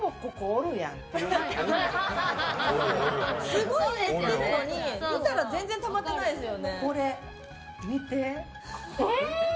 すごい減ってるのに見たら全然たまってないですよね。